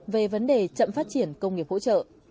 về vấn đề chậm phát triển công nghiệp hỗ trợ